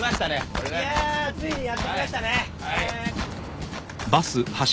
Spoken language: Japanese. これねついにやってきましたね